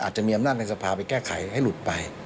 จะมีอำนาจในสภาไปแก้ไขให้หลุดไป